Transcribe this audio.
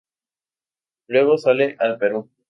Luego sale al Perú.